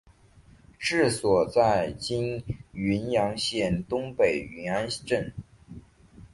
治所在今云阳县东北云安镇。